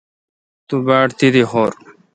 تو باڑ تیدی خور۔